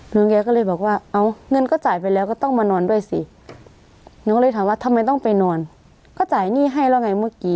แกก็เลยบอกว่าเอาเงินก็จ่ายไปแล้วก็ต้องมานอนด้วยสิหนูก็เลยถามว่าทำไมต้องไปนอนก็จ่ายหนี้ให้แล้วไงเมื่อกี้